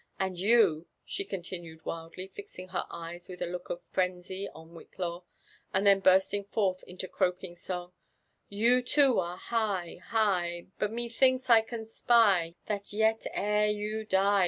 ^ And you i" theeon tinued wildly, fixing her eyes with a look of phr^izy on Whitlaw, and then bursting forth into croaking song,— *' You too are bigh, lilgh 1 But'methinks I can spy, ' That yet ere you die.